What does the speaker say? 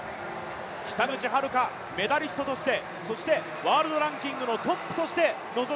北口榛花、メダリストとしてワールドランキングのトップとして臨む